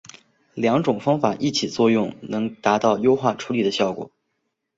两种方法一起作用能达到优化处理的效果。